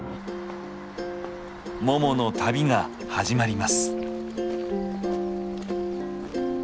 ももの旅が始まります。